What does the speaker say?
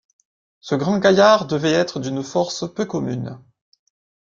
Ce grand gaillard devait être d’une force peu commune.